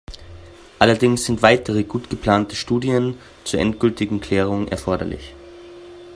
Allerdings sind weitere gut geplante Studien zur endgültigen Klärung erforderlich.